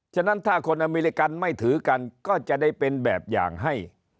ฉะนั้นถ้าคนอเมริกันไม่ถือกันก็จะได้เป็นแบบอย่างให้